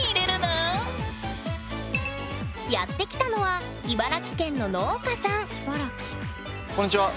やって来たのは茨城県の農家さんこんにちは。